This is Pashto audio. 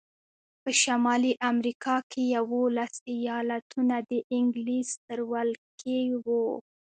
په شمالي امریکا کې یوولس ایالتونه د انګلیس تر ولکې وو.